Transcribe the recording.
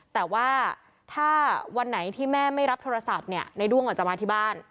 แต่ว่าถ้าวันไหนที่แม่ไม่รับโทรศัพท์เนี่ยในด้วงอาจจะมาที่บ้าน